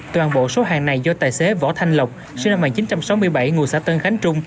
toàn bộ số hàng này do tài xế võ thanh lộc sinh năm một nghìn chín trăm sáu mươi bảy ngụ xã tân khánh trung